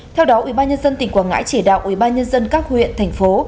theo đó ubnd tỉnh quảng ngãi chỉ đạo ubnd các huyện thành phố